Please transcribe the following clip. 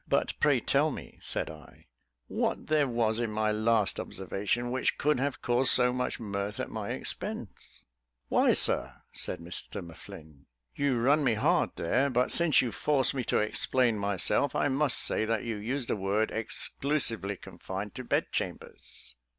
"But pray tell me," said I, "what there was in my last observation which could have caused so much mirth at my expense?" "Why, Sir," said Mr M'Flinn, "you run me hard there; but since you force me to explain myself, I must say that you used a word exclusively confined to bedchambers."